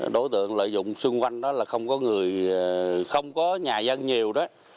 đối tượng lợi dụng xung quanh đó là không có nhà dân nhiều đó